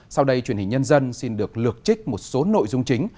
sau đây truyền hình nhân dân xin được lược trích một số nội dung chính